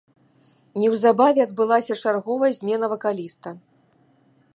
Неўзабаве адбылася чарговая змена вакаліста.